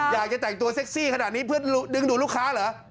อยากจะแต่งตัวเซ็กซี่ขนาดนี้เพื่อดึงดูดลูกค้าเหรอ